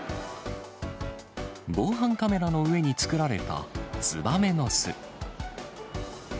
防犯カメラの上に作られたツバメの巣。